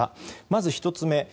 まず１つ目。